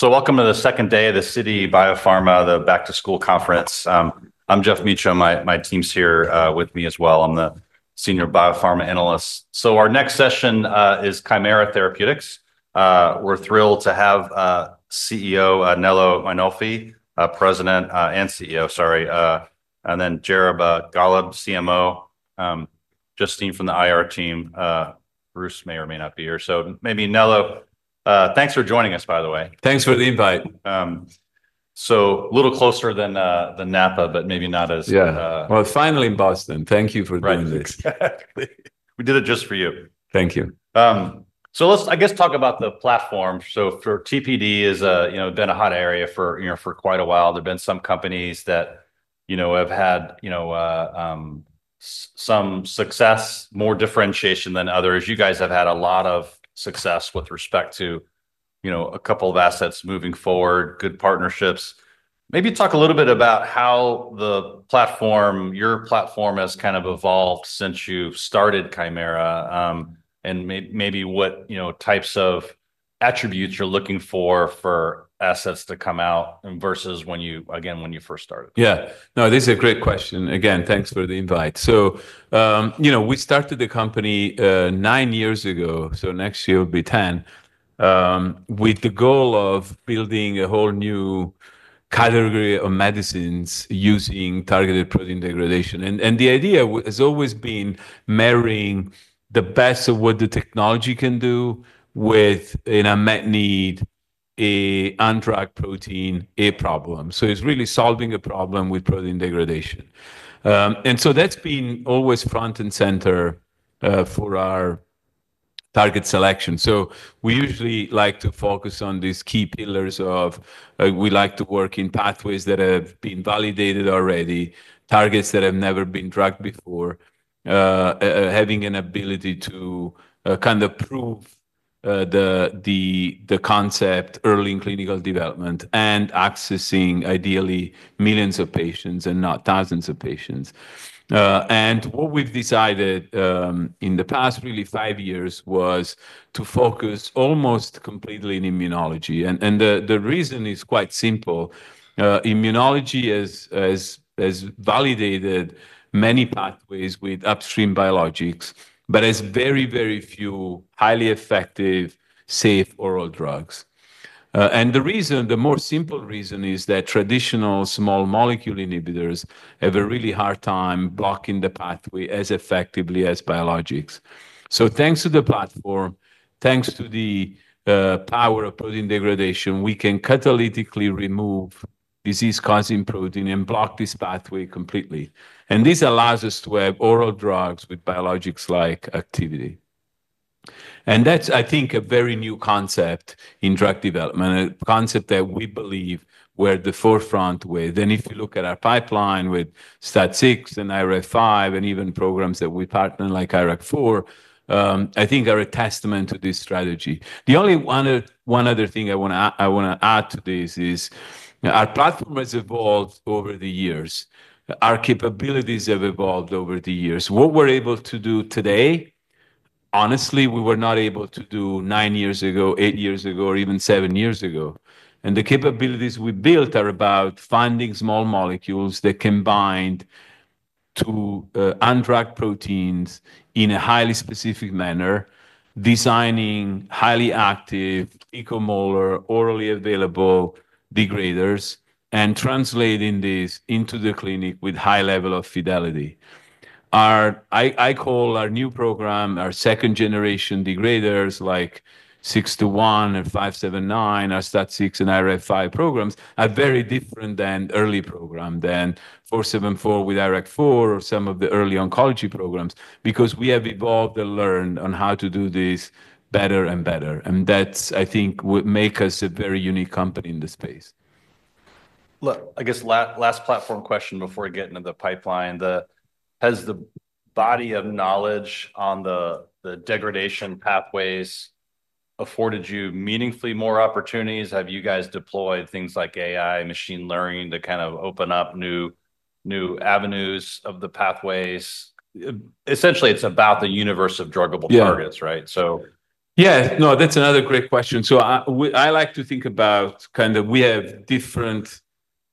Welcome to the second day of the Citi BioPharma Back to School Conference. I'm Geoff Meacham. My team's here with me as well. I'm the Senior Biopharma Analyst. Our next session is Kymera Therapeutics. We're thrilled to have CEO Nello Mainolfi, President and CEO, sorry, and then Jared Gollob, CMO, Justine from the IR team. Bruce may or may not be here. Maybe Nello, thanks for joining us, by the way. Thanks for the invite. So a little closer than Napa, but maybe not as. Yeah. Well, finally in Boston. Thank you for doing this. Exactly. We did it just for you. Thank you. So let's, I guess, talk about the platform. So for TPD, it's been a hot area for quite a while. There've been some companies that have had some success, more differentiation than others. You guys have had a lot of success with respect to a couple of assets moving forward, good partnerships. Maybe talk a little bit about how your platform has kind of evolved since you've started Kymera and maybe what types of attributes you're looking for for assets to come out versus when you, again, when you first started. Yeah. No, this is a great question. Again, thanks for the invite. So we started the company nine years ago, so next year will be 10 years, with the goal of building a whole new category of medicines using targeted protein degradation. And the idea has always been marrying the best of what the technology can do with an unmet need, an undrugged protein, a problem. So it's really solving a problem with protein degradation. And so that's been always front and center for our target selection. So we usually like to focus on these key pillars of we like to work in pathways that have been validated already, targets that have never been drugged before, having an ability to kind of prove the concept early in clinical development and accessing ideally millions of patients and not thousands of patients. What we've decided in the past, really five years, was to focus almost completely in immunology. The reason is quite simple. Immunology has validated many pathways with upstream biologics, but has very, very few highly effective, safe oral drugs. The reason, the more simple reason is that traditional small molecule inhibitors have a really hard time blocking the pathway as effectively as biologics. So thanks to the platform, thanks to the power of protein degradation, we can catalytically remove disease-causing protein and block this pathway completely. This allows us to have oral drugs with biologics-like activity. That's, I think, a very new concept in drug development, a concept that we believe we're at the forefront with. If you look at our pipeline with STAT6 and IRF5 and even programs that we partner like IRAK4, I think, are a testament to this strategy. The only other thing I want to add to this is our platform has evolved over the years. Our capabilities have evolved over the years. What we're able to do today, honestly, we were not able to do nine years ago, eight years ago, or even seven years ago. The capabilities we built are about finding small molecules that bind to undruggable proteins in a highly specific manner, designing highly active equimolar, orally available degraders, and translating this into the clinic with a high level of fidelity. I call our new program, our second-generation degraders like KT-621 and KT-579, our STAT6 and IRF5 programs very different than early program, than 474 with IRAK4 or some of the early oncology programs because we have evolved and learned on how to do this better and better. That's, I think, what makes us a very unique company in the space. Look, I guess last platform question before we get into the pipeline. Has the body of knowledge on the degradation pathways afforded you meaningfully more opportunities? Have you guys deployed things like AI, machine learning to kind of open up new avenues of the pathways? Essentially, it's about the universe of druggable targets, right? Yeah. No, that's another great question. So I like to think about kind of we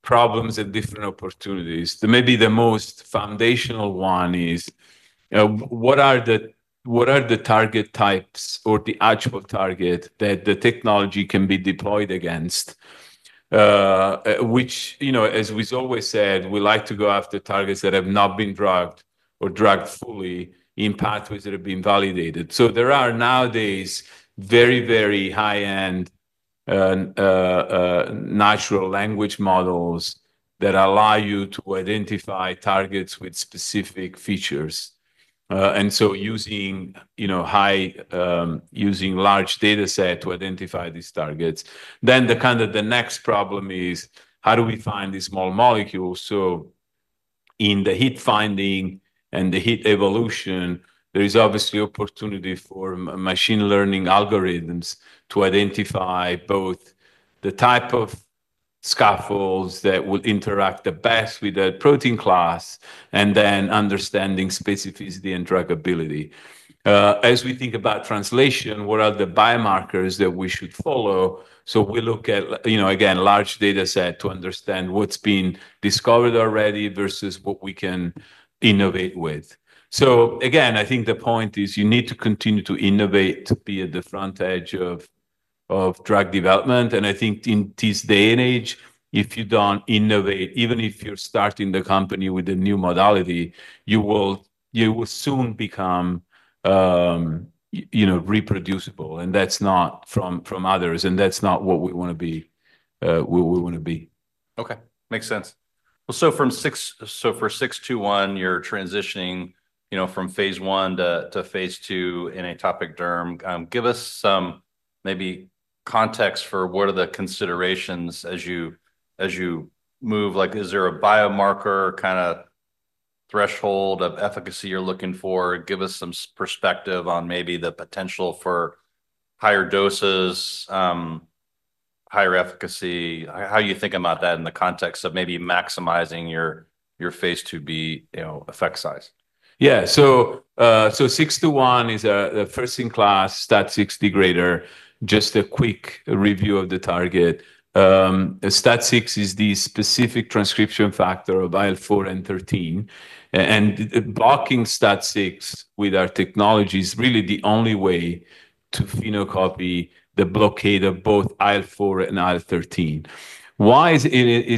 have different problems and different opportunities. Maybe the most foundational one is what are the target types or the actual target that the technology can be deployed against, which, as we've always said, we like to go after targets that have not been drugged or drugged fully in pathways that have been validated. So there are nowadays very, very high-end natural language models that allow you to identify targets with specific features. And so using large data set to identify these targets. Then the kind of the next problem is how do we find these small molecules? In the hit finding and the hit evolution, there is obviously opportunity for machine learning algorithms to identify both the type of scaffolds that will interact the best with the protein class and then understanding specificity and druggability. As we think about translation, what are the biomarkers that we should follow? We look at, again, large data set to understand what's been discovered already versus what we can innovate with. Again, I think the point is you need to continue to innovate to be at the front edge of drug development. I think in this day and age, if you don't innovate, even if you're starting the company with a new modality, you will soon become reproducible. That's not from others. That's not what we want to be. Okay. Makes sense. So for 621, you're transitioning from phase I to phase II in atopic derm. Give us some maybe context for what are the considerations as you move? Is there a biomarker kind of threshold of efficacy you're looking for? Give us some perspective on maybe the potential for higher doses, higher efficacy. How do you think about that in the context of maybe maximizing your phase II-B effect size? Yeah. So 621 is a first-in-class STAT6 degrader. Just a quick review of the target. STAT6 is the specific transcription factor of IL-4 and IL-13. And blocking STAT6 with our technology is really the only way to phenocopy the blockade of both IL-4 and IL-13. Why is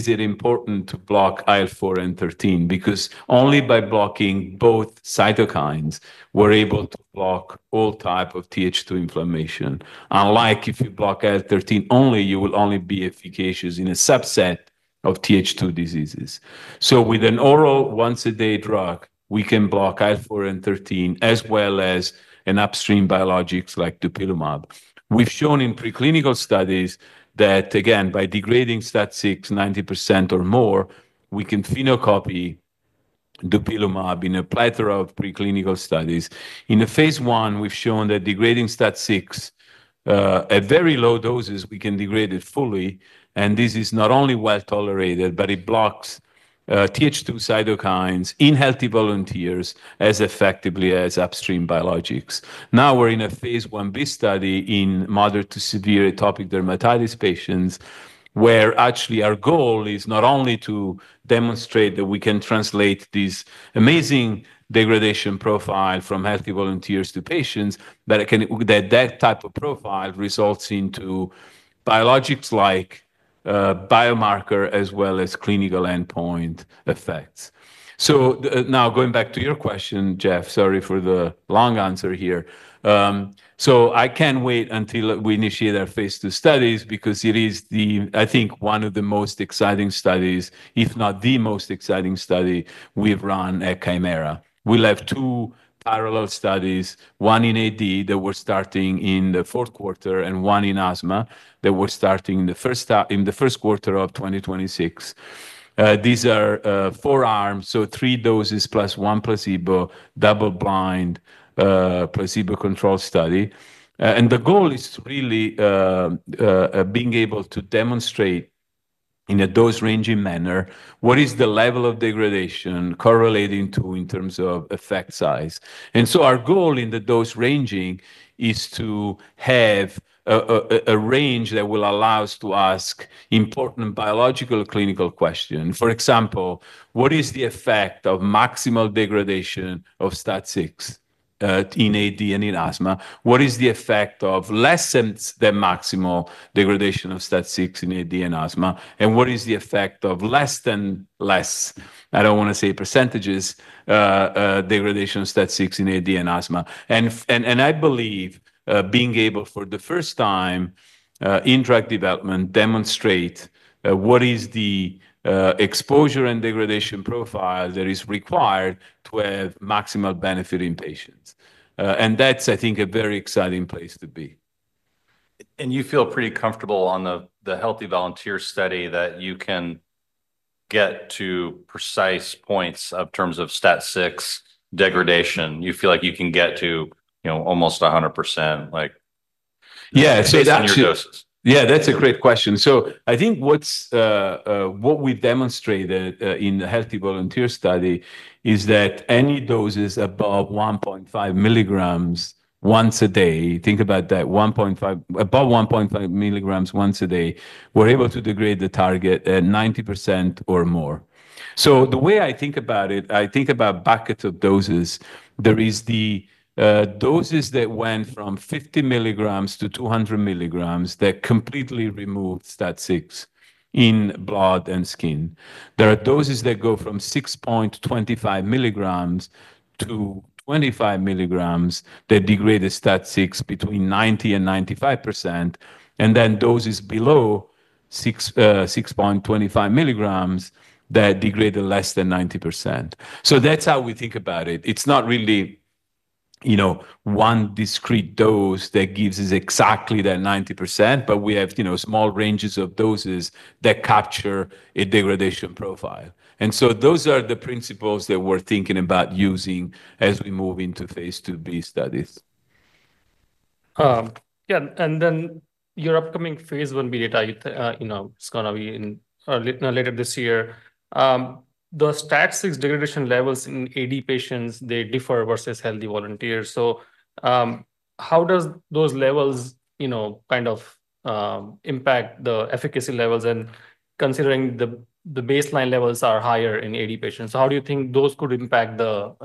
it important to block IL-4 and IL-13? Because only by blocking both cytokines, we're able to block all type of Th2 inflammation. Unlike if you block IL-13 only, you will only be efficacious in a subset of Th2 diseases. So with an oral once-a-day drug, we can block IL-4 and IL-13 as well as an upstream biologics like dupilumab. We've shown in preclinical studies that, again, by degrading STAT6 90% or more, we can phenocopy dupilumab in a plethora of preclinical studies. In the phase one, we've shown that degrading STAT6 at very low doses, we can degrade it fully. This is not only well tolerated, but it blocks Th2 cytokines in healthy volunteers as effectively as upstream biologics. Now we're in a phase I-B study in moderate to severe atopic dermatitis patients where actually our goal is not only to demonstrate that we can translate this amazing degradation profile from healthy volunteers to patients, but that that type of profile results into biologics-like biomarker as well as clinical endpoint effects. Now going back to your question, Geoff, sorry for the long answer here. I can't wait until we initiate our phase II studies because it is, I think, one of the most exciting studies, if not the most exciting study we've run at Kymera. We'll have two parallel studies, one in AD that we're starting in the fourth quarter and one in asthma that we're starting in the first quarter of 2026. These are four arms, so three doses plus one placebo, double-blind placebo-controlled study. The goal is really being able to demonstrate in a dose-ranging manner what is the level of degradation correlating to in terms of effect size. So our goal in the dose ranging is to have a range that will allow us to ask important biological clinical questions. For example, what is the effect of maximal degradation of STAT6 in AD and in asthma? What is the effect of less than maximal degradation of STAT6 in AD and asthma? And what is the effect of less than less? I don't want to say percentages degradation of STAT6 in AD and asthma. I believe being able for the first time in drug development demonstrate what is the exposure and degradation profile that is required to have maximal benefit in patients. That's, I think, a very exciting place to be. You feel pretty comfortable on the healthy volunteer study that you can get to precise points in terms of STAT6 degradation. You feel like you can get to almost 100%. Yeah. Based on your doses. Yeah, that's a great question. So I think what we've demonstrated in the healthy volunteer study is that any doses above 1.5mg once a day, think about that, above 1.5mg once a day, we're able to degrade the target at 90% or more. So the way I think about it, I think about buckets of doses. There is the doses that went from 50mg-200mg that completely removed STAT6 in blood and skin. There are doses that go from 6.25mg-25mg that degraded STAT6 between 90% and 95%. And then doses below 6.25mg that degraded less than 90%. So that's how we think about it. It's not really one discrete dose that gives us exactly that 90%, but we have small ranges of doses that capture a degradation profile. Those are the principles that we're thinking about using as we move into phase II-B studies. Yeah. And then your upcoming phase II-B data, it's going to be later this year. The STAT6 degradation levels in AD patients, they differ versus healthy volunteers. So how do those levels kind of impact the efficacy levels? And considering the baseline levels are higher in AD patients, how do you think those could impact the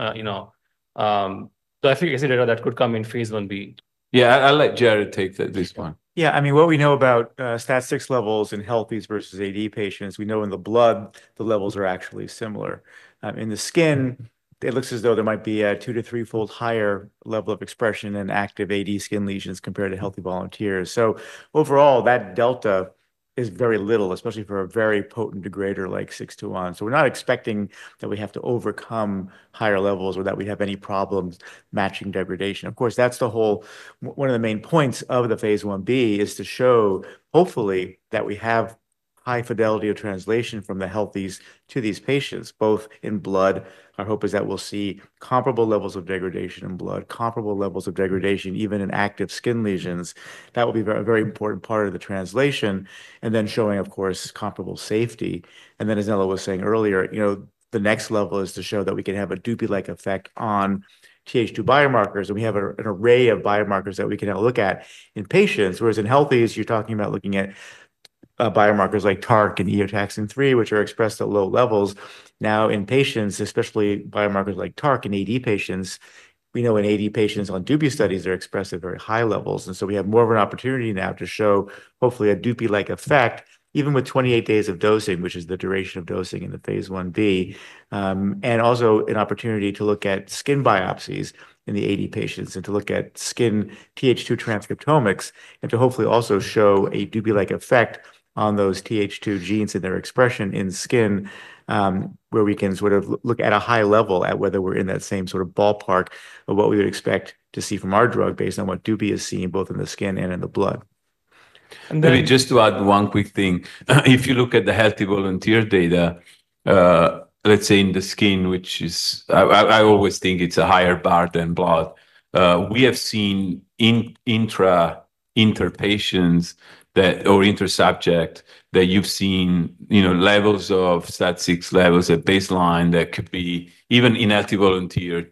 efficacy data that could come in phase II-B? Yeah, I'll let Jared take this one. Yeah. I mean, what we know about STAT6 levels in healthy versus AD patients, we know in the blood, the levels are actually similar. In the skin, it looks as though there might be a two- to three-fold higher level of expression in active AD skin lesions compared to healthy volunteers. Overall, that delta is very little, especially for a very potent degrader like 621. We're not expecting that we have to overcome higher levels or that we have any problems matching degradation. Of course, that's the whole one of the main points of the phase I-B is to show, hopefully, that we have high fidelity of translation from the healthies to these patients, both in blood. Our hope is that we'll see comparable levels of degradation in blood, comparable levels of degradation even in active skin lesions. That will be a very important part of the translation, and then showing, of course, comparable safety, and then, as Nello was saying earlier, the next level is to show that we can have a Dupy-like effect on Th2 biomarkers, and we have an array of biomarkers that we can look at in patients. Whereas in healthies, you're talking about looking at biomarkers like TARC and Eotaxin-3, which are expressed at low levels. Now, in patients, especially biomarkers like TARC in AD patients, we know in AD patients on Dupy studies are expressed at very high levels, and so we have more of an opportunity now to show, hopefully, a Dupy-like effect, even with 28 days of dosing, which is the duration of dosing in the phase I-B. And also an opportunity to look at skin biopsies in the AD patients and to look at skin Th2 transcriptomics and to hopefully also show a Dupy-like effect on those Th2 genes and their expression in skin where we can sort of look at a high level at whether we're in that same sort of ballpark of what we would expect to see from our drug based on what Dupy is seen both in the skin and in the blood. Let me just add one quick thing. If you look at the healthy volunteer data, let's say in the skin, which is I always think it's a higher bar than blood, we have seen intra-patient or intra-subject that you've seen levels of STAT6 levels at baseline that could be even in healthy volunteer,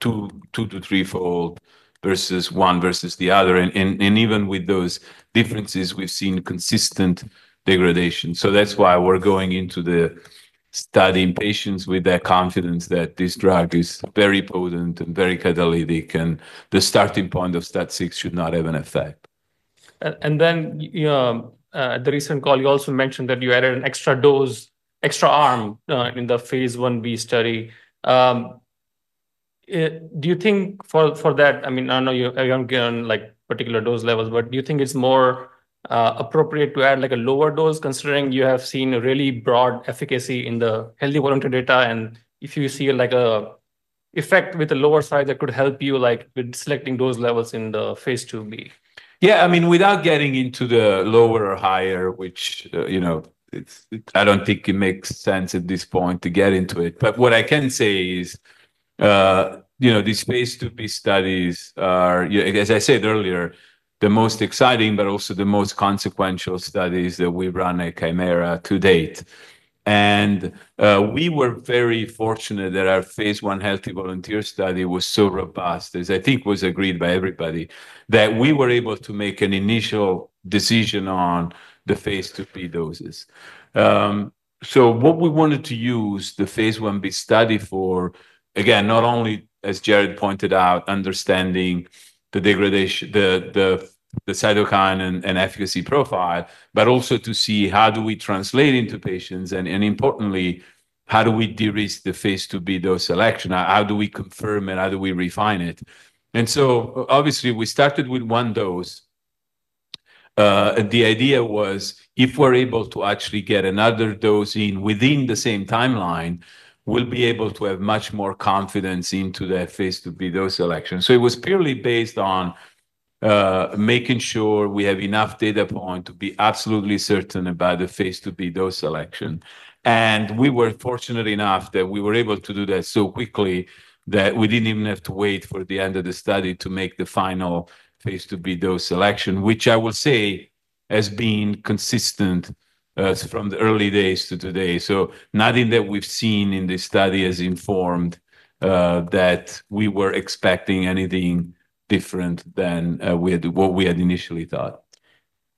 two- to three-fold versus one versus the other. And even with those differences, we've seen consistent degradation. So that's why we're going into the study in patients with that confidence that this drug is very potent and very catalytic and the starting point of STAT6 should not have an effect. Then at the recent call, you also mentioned that you added an extra dose, extra arm in the phase I-B study. Do you think for that, I mean, I know you haven't given particular dose levels, but do you think it's more appropriate to add a lower dose considering you have seen a really broad efficacy in the healthy volunteer data? And if you see an effect with a lower dose, that could help you with selecting those levels in the phase II-B? Yeah. I mean, without getting into the lower or higher, which I don't think it makes sense at this point to get into it. But what I can say is these phase II-B studies are, as I said earlier, the most exciting, but also the most consequential studies that we've run at Kymera to date. And we were very fortunate that our phase I healthy volunteer study was so robust, as I think was agreed by everybody, that we were able to make an initial decision on the phase II-B doses. So what we wanted to use the phase I-B study for, again, not only, as Jared pointed out, understanding the cytokine and efficacy profile, but also to see how do we translate into patients? And importantly, how do we de-risk the phase II-B dose selection? How do we confirm it? How do we refine it? Obviously, we started with one dose. The idea was if we're able to actually get another dose in within the same timeline, we'll be able to have much more confidence in the phase II-B dose selection. It was purely based on making sure we have enough data points to be absolutely certain about the phase II-B dose selection. We were fortunate enough that we were able to do that so quickly that we didn't even have to wait for the end of the study to make the final phase II-B dose selection, which I will say has been consistent from the early days to today. Nothing that we've seen in this study has informed that we were expecting anything different than what we had initially thought.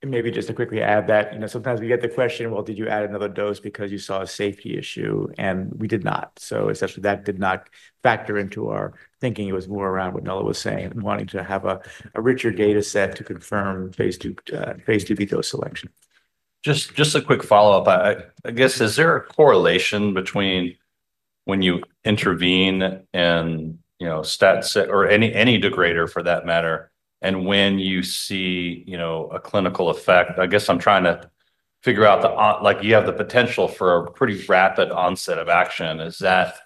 Maybe just to quickly add that sometimes we get the question, well, did you add another dose because you saw a safety issue? And we did not. So essentially, that did not factor into our thinking. It was more around what Nello was saying and wanting to have a richer data set to confirm phase II-B dose selection. Just a quick follow-up. I guess, is there a correlation between when you intervene and STAT or any degrader, for that matter, and when you see a clinical effect? I guess I'm trying to figure out you have the potential for a pretty rapid onset of action. Is that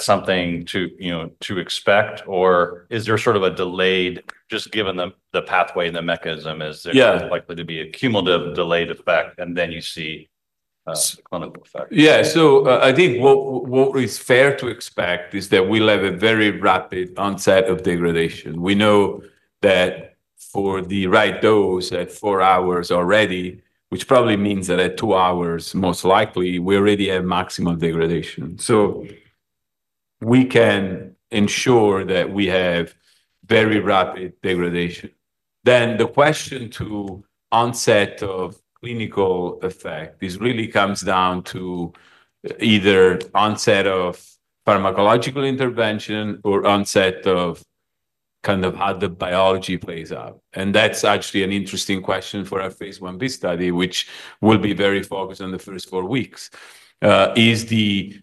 something to expect? Or is there sort of a delayed just given the pathway and the mechanism, is there likely to be a cumulative delayed effect and then you see a clinical effect? Yeah. So I think what is fair to expect is that we'll have a very rapid onset of degradation. We know that for the right dose at four hours already, which probably means that at two hours, most likely, we already have maximum degradation. So we can ensure that we have very rapid degradation. Then the question to onset of clinical effect really comes down to either onset of pharmacological intervention or onset of kind of how the biology plays out. And that's actually an interesting question for our phase I-B study, which will be very focused on the first four weeks. Is the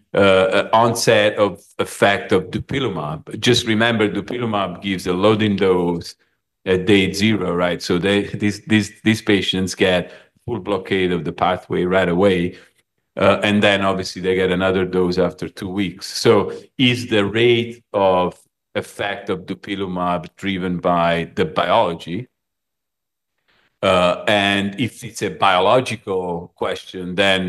onset of effect of dupilumab? Just remember, dupilumab gives a loading dose at day zero, right? So these patients get full blockade of the pathway right away. And then obviously, they get another dose after two weeks. Is the rate of effect of dupilumab driven by the biology? And if it's a biological question, then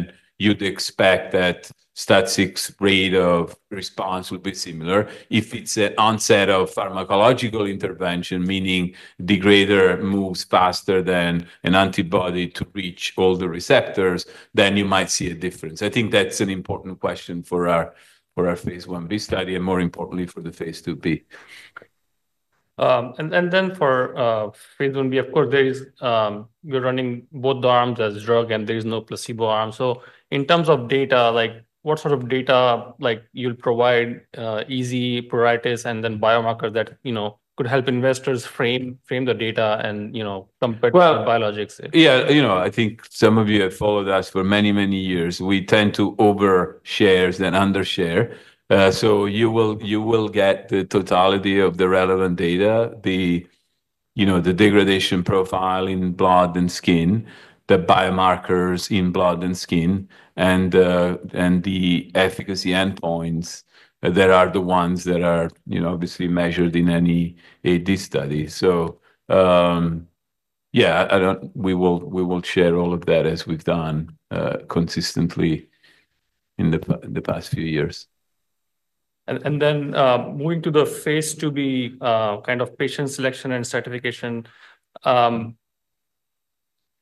you'd expect that STAT6 rate of response would be similar. If it's an onset of pharmacological intervention, meaning degrader moves faster than an antibody to reach all the receptors, then you might see a difference. I think that's an important question for our phase I-B study and more importantly for the phase II-B. Then for phase I-B, of course, you're running both the arms as drug and there is no placebo arm. In terms of data, what sort of data you'll provide EASI, pruritus and then biomarkers that could help investors frame the data and compare to biologics? Yeah. I think some of you have followed us for many, many years. We tend to overshare than undershare. So you will get the totality of the relevant data, the degradation profile in blood and skin, the biomarkers in blood and skin, and the efficacy endpoints that are the ones that are obviously measured in any AD study. So yeah, we will share all of that as we've done consistently in the past few years. Moving to the phase II-B kind of patient selection and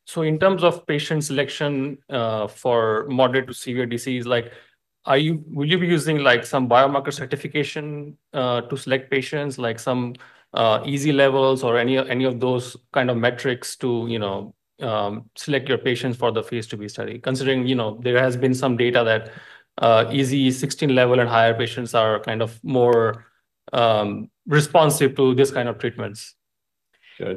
stratification. In terms of patient selection for moderate to severe disease, would you be using some biomarker stratification to select patients, like some EASI levels or any of those kind of metrics to select your patients for the phase II-B study? Considering there has been some data that EASI 16 level and higher patients are kind of more responsive to this kind of treatments.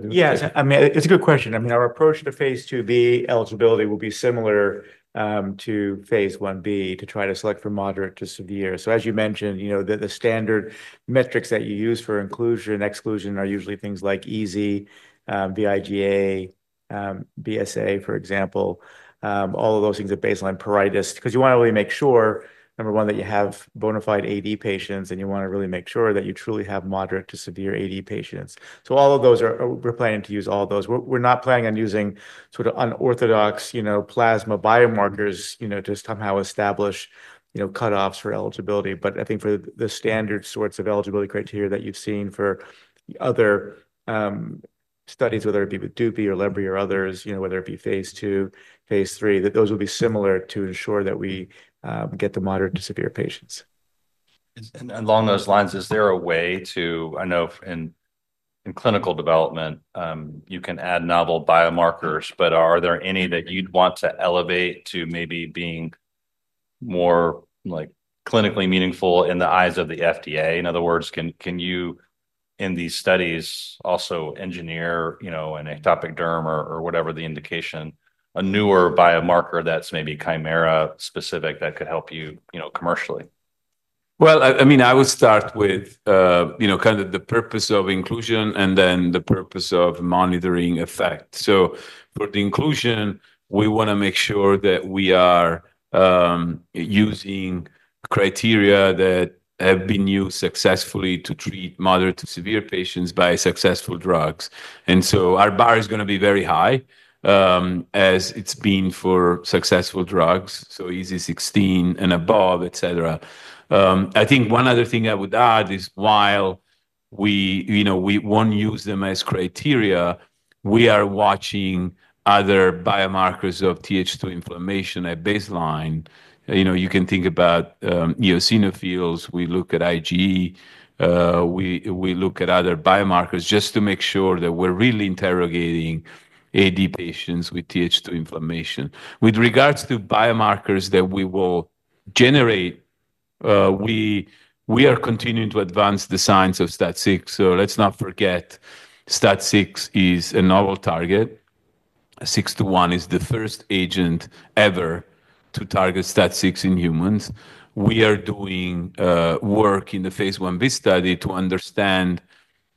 Yeah. I mean, it's a good question. I mean, our approach to phase II-B eligibility will be similar to phase I-B to try to select for moderate to severe. So as you mentioned, the standard metrics that you use for inclusion and exclusion are usually things like EASI, vIGA, BSA, for example, all of those things at baseline pruritus. Because you want to really make sure, number one, that you have bona fide AD patients, and you want to really make sure that you truly have moderate to severe AD patients. So all of those, we're planning to use all those. We're not planning on using sort of unorthodox plasma biomarkers to somehow establish cutoffs for eligibility. But I think for the standard sorts of eligibility criteria that you've seen for other studies, whether it be with Dupy or Lebri or others, whether it be phase II, phase III, those will be similar to ensure that we get the moderate to severe patients. Along those lines, is there a way to, I know in clinical development, you can add novel biomarkers, but are there any that you'd want to elevate to maybe being more clinically meaningful in the eyes of the FDA? In other words, can you in these studies also engineer an atopic derm or whatever the indication, a newer biomarker that's maybe Kymera specific that could help you commercially? I mean, I would start with kind of the purpose of inclusion and then the purpose of monitoring effect, so for the inclusion, we want to make sure that we are using criteria that have been used successfully to treat moderate to severe patients by successful drugs. And so our bar is going to be very high as it's been for successful drugs, so EASI 16 and above, etc. I think one other thing I would add is while we won't use them as criteria, we are watching other biomarkers of Th2 inflammation at baseline. You can think about eosinophils. We look at IgE. We look at other biomarkers just to make sure that we're really interrogating AD patients with Th2 inflammation. With regards to biomarkers that we will generate, we are continuing to advance the science of STAT6, so let's not forget STAT6 is a novel target. KT-621 is the first agent ever to target STAT6 in humans. We are doing work in the phase I-B study to understand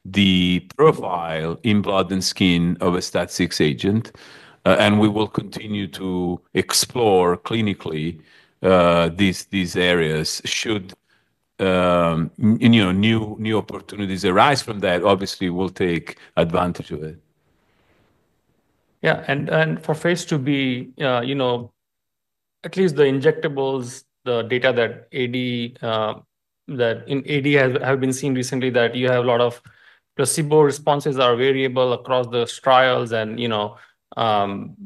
the profile in blood and skin of a STAT6 agent. We will continue to explore clinically these areas. Should new opportunities arise from that, obviously, we'll take advantage of it. Yeah, and for phase II-B, at least the injectables, the data that in AD have been seen recently that you have a lot of placebo responses are variable across the trials and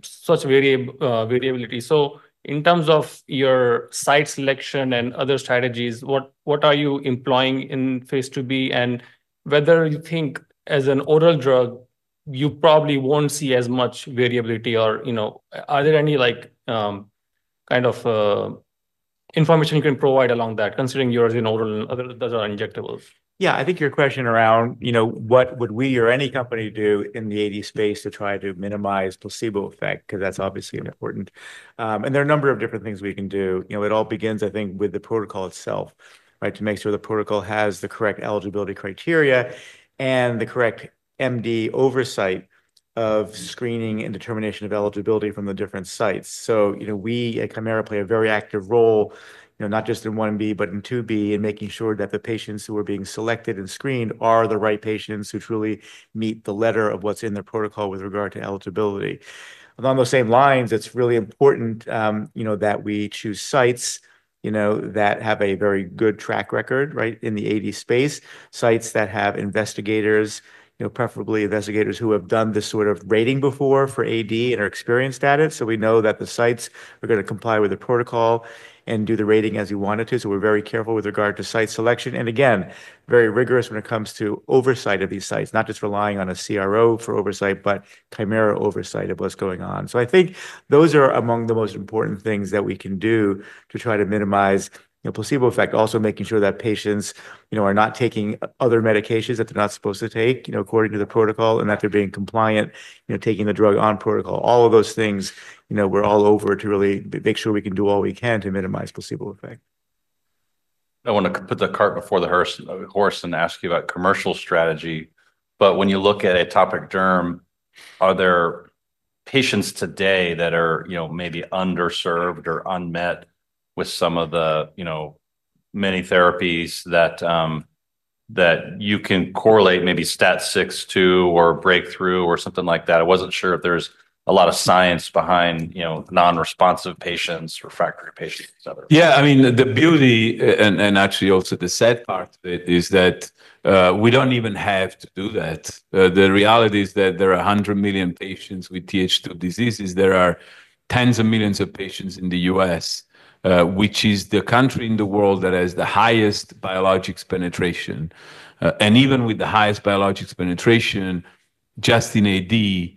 such variability. So in terms of your site selection and other strategies, what are you employing in phase II-B? And whether you think as an oral drug, you probably won't see as much variability? Or are there any kind of information you can provide along that, considering yours is oral and those are injectables? Yeah. I think your question around what would we or any company do in the AD space to try to minimize placebo effect because that's obviously important, and there are a number of different things we can do. It all begins, I think, with the protocol itself, right, to make sure the protocol has the correct eligibility criteria and the correct MD oversight of screening and determination of eligibility from the different sites. So we at Kymera play a very active role, not just in phase I-B, but in phase II-B, in making sure that the patients who are being selected and screened are the right patients who truly meet the letter of what's in the protocol with regard to eligibility. Along those same lines, it's really important that we choose sites that have a very good track record, right, in the AD space, sites that have investigators, preferably investigators who have done this sort of rating before for AD and are experienced at it. So we know that the sites are going to comply with the protocol and do the rating as we want it to. So we're very careful with regard to site selection, and again, very rigorous when it comes to oversight of these sites, not just relying on a CRO for oversight, but Kymera oversight of what's going on. So I think those are among the most important things that we can do to try to minimize placebo effect, also making sure that patients are not taking other medications that they're not supposed to take according to the protocol and that they're being compliant, taking the drug on protocol. All of those things, we're all over to really make sure we can do all we can to minimize placebo effect. I want to put the cart before the horse and ask you about commercial strategy. But when you look at atopic derm, are there patients today that are maybe underserved or unmet with some of the many therapies that you can correlate maybe STAT6 to or breakthrough or something like that? I wasn't sure if there's a lot of science behind non-responsive patients or refractory patients. Yeah. I mean, the beauty and actually also the sad part of it is that we don't even have to do that. The reality is that there are 100 million patients with Th2 diseases. There are tens of millions of patients in the U.S., which is the country in the world that has the highest biologics penetration. And even with the highest biologics penetration, just in AD,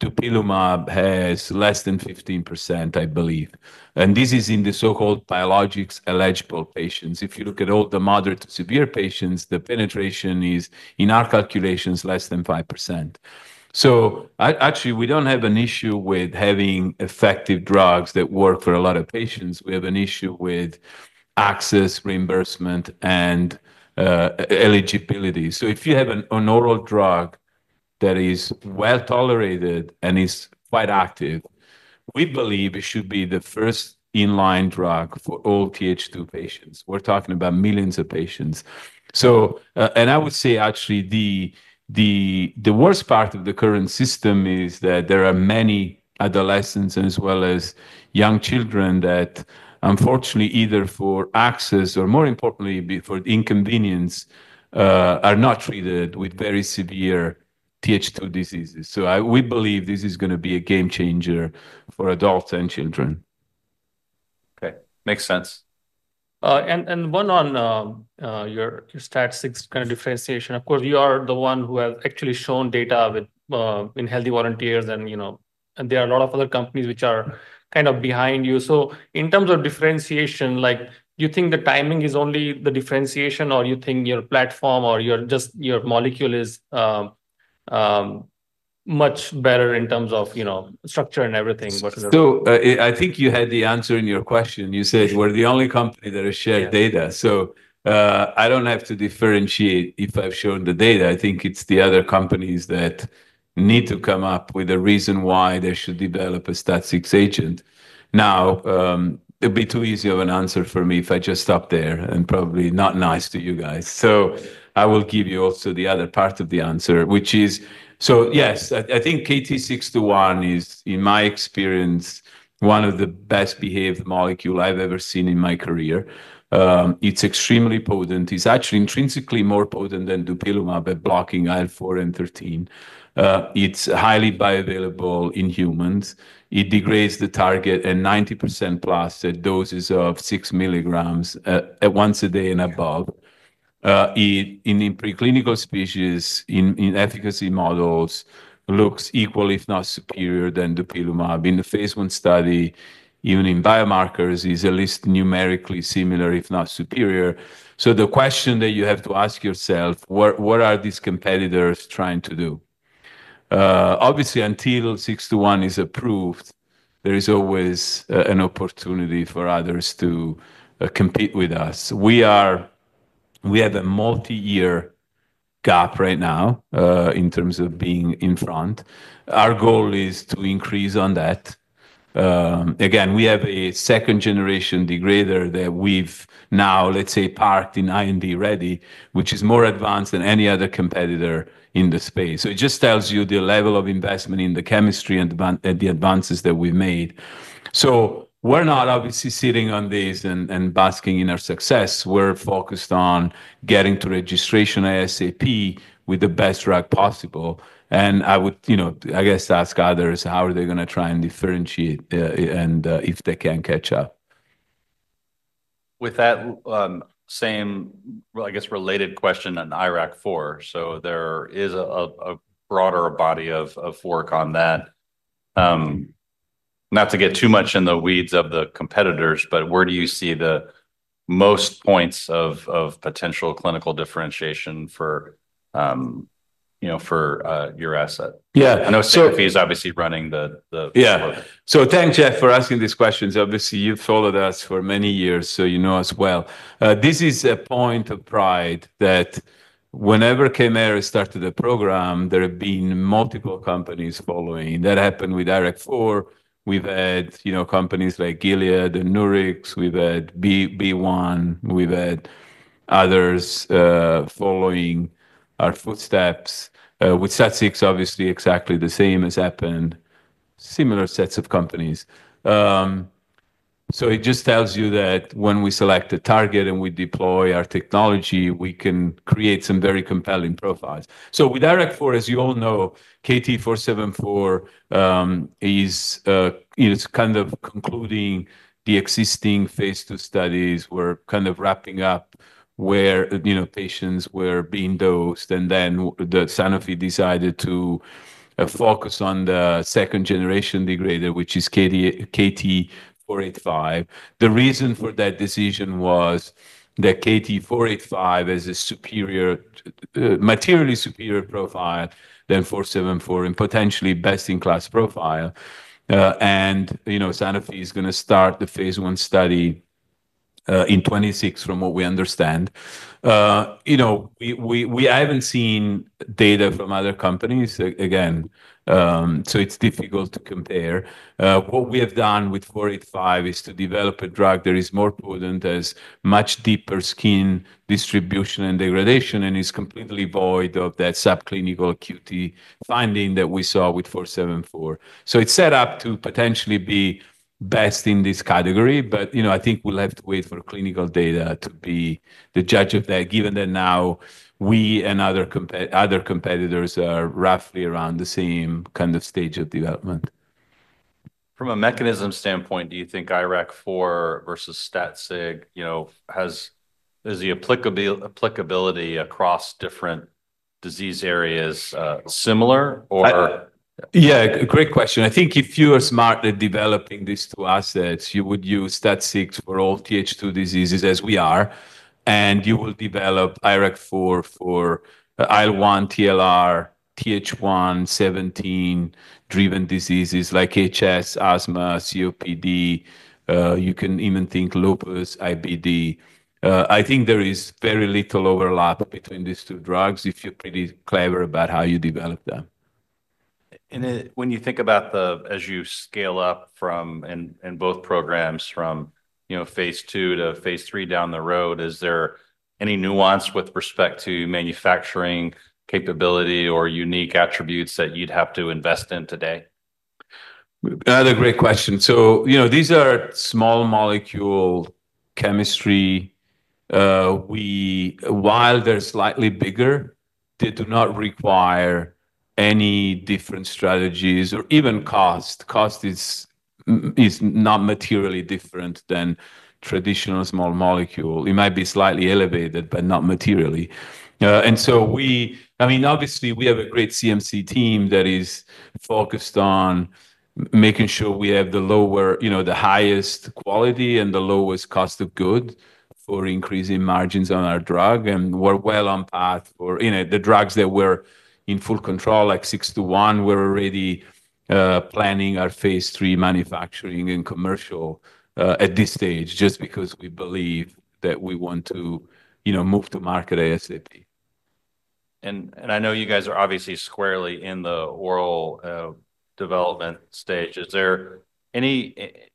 dupilumab has less than 15%, I believe. And this is in the so-called biologics eligible patients. If you look at all the moderate to severe patients, the penetration is, in our calculations, less than 5%. So actually, we don't have an issue with having effective drugs that work for a lot of patients. We have an issue with access, reimbursement, and eligibility. So if you have an oral drug that is well tolerated and is quite active, we believe it should be the first-line drug for all Th2 patients. We're talking about millions of patients. And I would say, actually, the worst part of the current system is that there are many adolescents as well as young children that, unfortunately, either for access or, more importantly, for inconvenience, are not treated with very severe Th2 diseases. So we believe this is going to be a game changer for adults and children. Okay. Makes sense. And one on your STAT6 kind of differentiation. Of course, you are the one who has actually shown data in healthy volunteers. And there are a lot of other companies which are kind of behind you. So in terms of differentiation, do you think the timing is only the differentiation, or do you think your platform or just your molecule is much better in terms of structure and everything? I think you had the answer in your question. You said we're the only company that has shared data. I don't have to differentiate if I've shown the data. I think it's the other companies that need to come up with a reason why they should develop a STAT6 agent. Now, it'd be too easy of an answer for me if I just stop there and probably not nice to you guys. I will give you also the other part of the answer, which is, so yes, I think KT-621 is, in my experience, one of the best-behaved molecules I've ever seen in my career. It's extremely potent. It's actually intrinsically more potent than dupilumab at blocking IL-4 and IL-13. It's highly bioavailable in humans. It degrades the target and 90% plus at doses of 6mg once a day and above. In preclinical species, in efficacy models, it looks equal, if not superior to dupilumab. In the phase one study, even in biomarkers, it's at least numerically similar, if not superior. So the question that you have to ask yourself, what are these competitors trying to do? Obviously, until KT-621 is approved, there is always an opportunity for others to compete with us. We have a multi-year gap right now in terms of being in front. Our goal is to increase on that. Again, we have a second-generation degrader that we've now, let's say, parked in IND ready, which is more advanced than any other competitor in the space. So it just tells you the level of investment in the chemistry and the advances that we've made. So we're not obviously sitting on this and basking in our success. We're focused on getting to registration ASAP with the best drug possible. And I would, I guess, ask others, how are they going to try and differentiate and if they can catch up? With that same, I guess, related question on IRAK4, so there is a broader body of work on that. Not to get too much in the weeds of the competitors, but where do you see the most points of potential clinical differentiation for your asset? Yeah. I know Sanofi is obviously running the. Yeah. So thanks, Geoff, for asking these questions. Obviously, you've followed us for many years, so you know us well. This is a point of pride that whenever Kymera started the program, there have been multiple companies following. That happened with IRAK4. We've had companies like Gilead and Nurix. We've had Biogen. We've had others following our footsteps. With STAT6, obviously, exactly the same has happened, similar sets of companies. So it just tells you that when we select a target and we deploy our technology, we can create some very compelling profiles. So with IRAK4, as you all know, KT-474 is kind of concluding the existing phase II studies. We're kind of wrapping up where patients were being dosed. And then Sanofi decided to focus on the second-generation degrader, which is KT-485. The reason for that decision was that KT-485 has a superior, materially superior profile than KT-474 and potentially best-in-class profile, and Sanofi is going to start the phase I study in 2026 from what we understand. I haven't seen data from other companies, again, so it's difficult to compare. What we have done with KT-485 is to develop a drug that is more potent as much deeper skin distribution and degradation and is completely void of that subclinical QTc finding that we saw with KT-474, so it's set up to potentially be best in this category. But I think we'll have to wait for clinical data to be the judge of that, given that now we and other competitors are roughly around the same kind of stage of development. From a mechanism standpoint, do you think IRAK4 versus STAT6 has the applicability across different disease areas similar or? Yeah. Great question. I think if you are smart at developing these two assets, you would use STAT6 for all Th2 diseases as we are, and you will develop IRAK4 for IL-1, TLR, Th1, Th17-driven diseases like HS, asthma, COPD. You can even think lupus, IBD. I think there is very little overlap between these two drugs if you're pretty clever about how you develop them. When you think about the, as you scale up from both programs from phase II to phase III down the road, is there any nuance with respect to manufacturing capability or unique attributes that you'd have to invest in today? That's a great question. So these are small molecule chemistry. While they're slightly bigger, they do not require any different strategies or even cost. Cost is not materially different than traditional small molecule. It might be slightly elevated, but not materially. And so we, I mean, obviously, we have a great CMC team that is focused on making sure we have the lower, the highest quality and the lowest cost of goods for increasing margins on our drug. And we're well on track for the drugs that we're in full control, like KT-621. We're already planning our phase three manufacturing and commercial at this stage just because we believe that we want to move to market ASAP. I know you guys are obviously squarely in the oral development stage. Do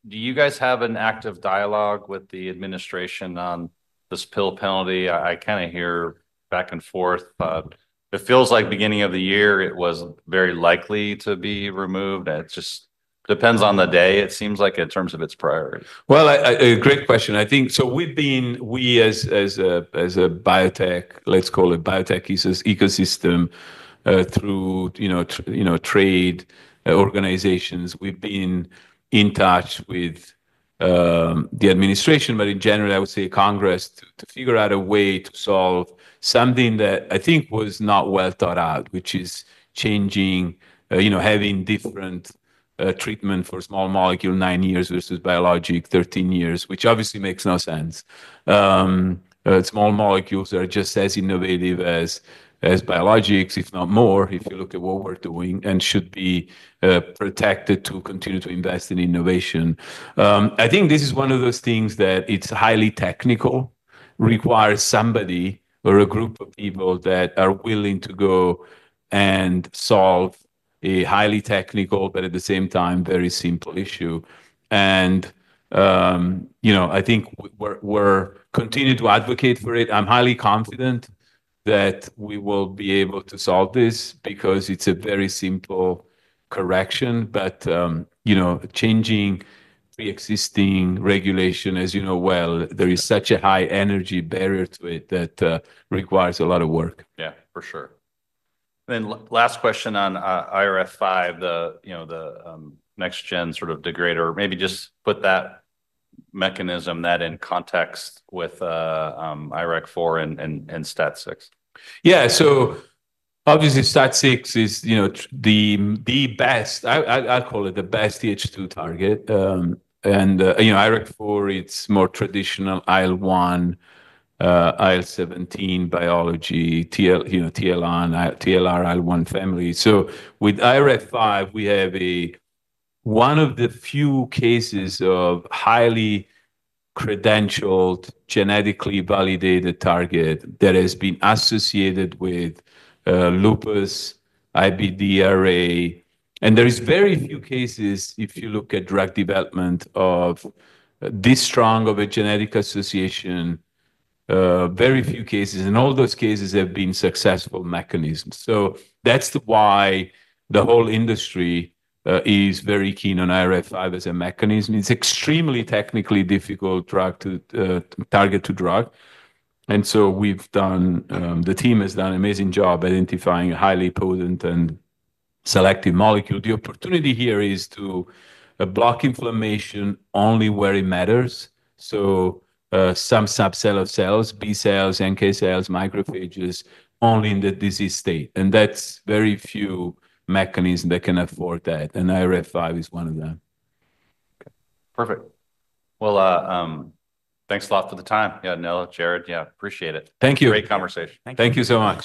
you guys have an active dialogue with the administration on this pill penalty? I kind of hear back and forth, but it feels like beginning of the year it was very likely to be removed. It just depends on the day, it seems like, in terms of its priority. Great question. I think so we've been, we as a biotech, let's call it biotech ecosystem through trade organizations, we've been in touch with the administration, but in general, I would say, Congress to figure out a way to solve something that I think was not well thought out, which is changing, having different treatment for small molecule nine years versus biologic 13 years, which obviously makes no sense. Small molecules are just as innovative as biologics, if not more, if you look at what we're doing and should be protected to continue to invest in innovation. I think this is one of those things that it's highly technical, requires somebody or a group of people that are willing to go and solve a highly technical, but at the same time, very simple issue, and I think we're continuing to advocate for it. I'm highly confident that we will be able to solve this because it's a very simple correction, but changing pre-existing regulation, as you know well, there is such a high energy barrier to it that requires a lot of work. Yeah, for sure. And then last question on IRF5, the next-gen sort of degrader, maybe just put that mechanism, that in context with IRAK4 and STAT6. Yeah. So obviously, STAT6 is the best. I'll call it the best Th2 target. And IRAK4, it's more traditional IL-1, IL-17 biology, TLR, IL-1 family. So with IRF5, we have one of the few cases of highly credentialed, genetically validated target that has been associated with lupus, IBD, RA. And there are very few cases, if you look at drug development, of this strong of a genetic association, very few cases. And all those cases have been successful mechanisms. So that's why the whole industry is very keen on IRF5 as a mechanism. It's extremely technically difficult drug to target to drug. And so we've done, the team has done an amazing job identifying highly potent and selective molecules. The opportunity here is to block inflammation only where it matters. So some subset of cells, B cells, NK cells, macrophages, only in the disease state. That's very few mechanisms that can afford that. IRF5 is one of them. Perfect. Well, thanks a lot for the time. Yeah, Nello, Jared, yeah, appreciate it. Thank you. Great conversation. Thank you so much.